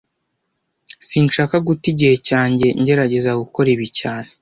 Sinshaka guta igihe cyanjye ngerageza gukora ibi cyane